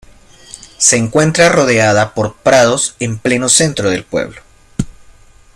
Se encuentra rodeada por prados en pleno centro del pueblo.